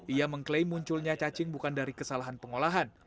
ia mengklaim munculnya cacing bukan dari kesalahan pengolahan